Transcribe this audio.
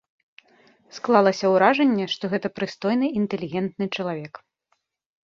Склалася ўражанне, што гэта прыстойны інтэлігентны чалавек.